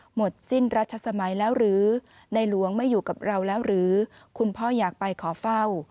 หมดสิ้นรัชสมัยแล้วหรือในหลวงไม่อยู่กับเราแล้วหรือคุณพ่ออยากไปขอเฝ้า